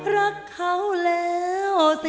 รักเขาแล้วสิ